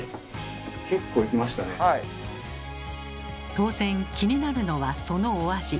当然気になるのはそのお味。